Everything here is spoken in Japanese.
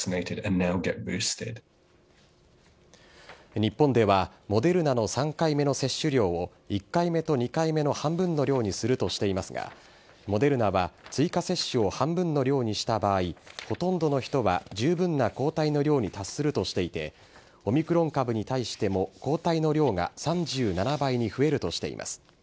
日本では、モデルナの３回目の接種量を１回目と２回目の半分の量にするとしていますが、モデルナは追加接種を半分の量にした場合、ほとんどの人は十分な抗体の量に達するとしていて、オミクロン株に対しても抗体の量が３７倍に増えるとしています。